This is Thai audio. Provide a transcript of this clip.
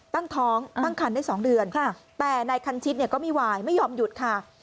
ตั้งท้องตั้งคันได้๒เดือนแต่นายคันชิดเนี่ยก็ไม่วายไม่ยอมหยุดค่ะ